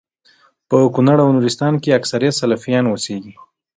په کونړ او نورستان کي اکثريت سلفيان اوسيږي